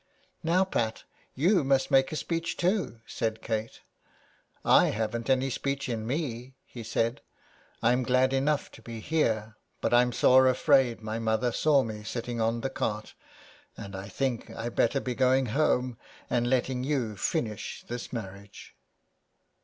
" Now, Pat, you must make a speech, too," said Kate. " I haven't any speech in me," he said. *' I'm glad enough to be here; but I'm sore afraid my mother 76 SOME PARISHIONERS. saw me sitting on the car, and I think I had better be going home and letting you finish this marriage."